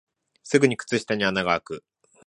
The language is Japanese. すぐ靴下に穴があく